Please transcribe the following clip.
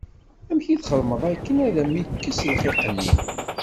Amek i txedmeḍ akken ad am-yekkes lxiq-nni?